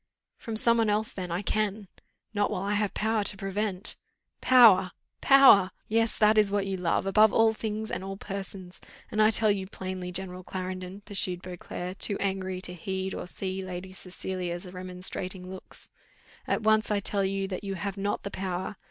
"From some one else then I can." "Not while I have power to prevent." "Power! power! power! Yes, that is what you love, above all things and all persons, and I tell you plainly, General Clarendon," pursued Beauclerc, too angry to heed or see Lady Cecilia's remonstrating looks, "at once I tell you that you have not the power.